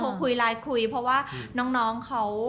คุยไลน์คุยเพราะว่าน้องเขา